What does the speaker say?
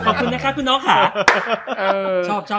ขอบคุณนะคะคุณน้องค่ะ